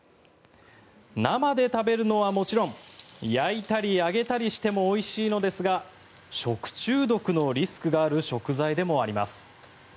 生で食べるのはもちろん焼いたり揚げたりしてもおいしいのですが食中毒のリスクがある食材でもあります。